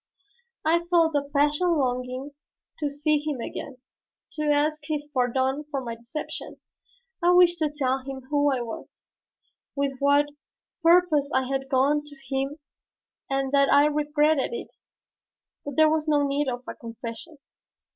I felt a passionate longing to see him again, to ask his pardon for my deception. I wished to tell him who I was, with what purpose I had gone to him and that I regretted it. But there was no need of a confession.